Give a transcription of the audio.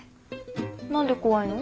何で怖いの？